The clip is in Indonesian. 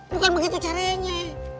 bukan begitu caranya